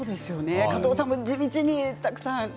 加藤さんも地道にたくさん。